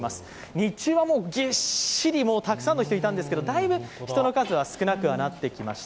日中はぎっしり、たくさんの人がいたんですけど、だいぶ人の数は少なくなってきました。